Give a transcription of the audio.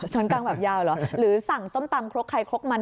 ชั้นกลางแบบยาวเหรอหรือสั่งส้มตำครกใครครกมัน